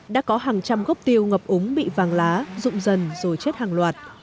đã có hàng trăm gốc tiêu ngập úng bị vàng lá rụng dần rồi chết hàng loạt